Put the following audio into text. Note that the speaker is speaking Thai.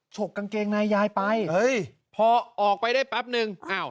ฉกกางเกงในยายไปเฮ้ยพอออกไปได้แป๊บนึงอ้าว